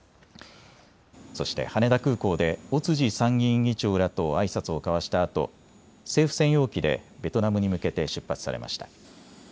そして羽田空港で尾辻参議院議長らとあいさつを交わしたあと政府専用機でベトナムに向けて出発されました。